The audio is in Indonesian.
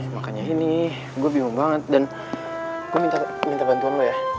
makanya ini gue bingung banget dan gue minta bantuan lo ya